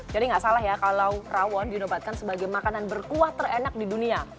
jadi enggak salah ya kalau rawon dinobatkan sebagai makanan berkuah terenak di dunia